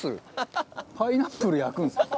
パイナップル焼くんですか？